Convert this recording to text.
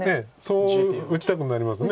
そう打ちたくなります。